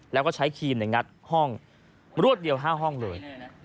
แล้วก็ใช้ครีมงัดห้องรวดเดียว๕ห้องเลย